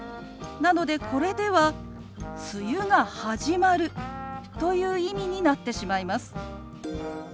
なのでこれでは「梅雨が始まる」という意味になってしまいます。